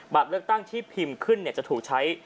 เลือกตั้งที่พิมพ์ขึ้นจะถูกใช้